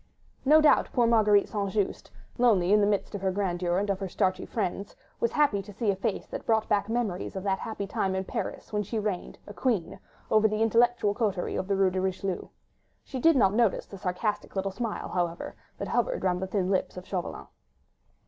No doubt poor Marguerite St. Just, lonely in the midst of her grandeur, and of her starchy friends, was happy to see a face that brought back memories of that happy time in Paris, when she reigned—a queen—over the intellectual coterie of the Rue de Richelieu. She did not notice the sarcastic little smile, however, that hovered round the thin lips of Chauvelin.